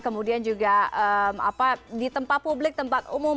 kemudian juga di tempat publik tempat umum